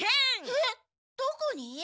えっどこに？